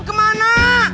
pur kamu mau kemana